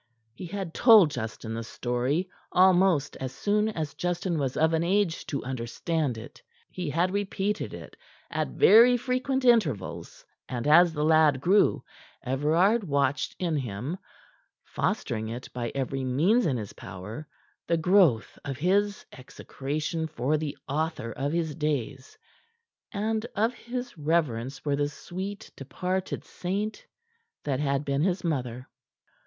He had told Justin the story almost as soon as Justin was of an age to understand it. He had repeated it at very frequent intervals, and as the lad grew, Everard watched in him fostering it by every means in his power the growth of his execration for the author of his days, and of his reverence for the sweet, departed saint that had been his mother.